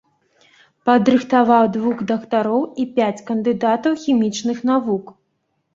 Падрыхтаваў двух дактароў і пяць кандыдатаў хімічных навук.